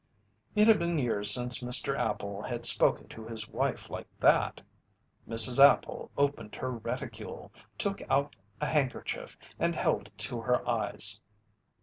It had been years since Mr. Appel had spoken to his wife like that. Mrs. Appel opened her reticule, took out a handkerchief and held it to her eyes.